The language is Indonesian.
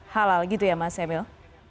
halal gitu ya mas emil